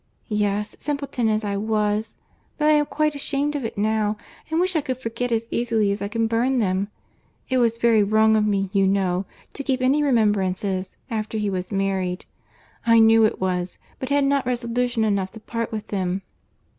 "Yes, simpleton as I was!—but I am quite ashamed of it now, and wish I could forget as easily as I can burn them. It was very wrong of me, you know, to keep any remembrances, after he was married. I knew it was—but had not resolution enough to part with them."